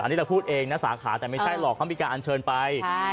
อันนี้แหละพูดเองนะสาขาแต่ไม่ใช่หล่อความพิการเชิญไป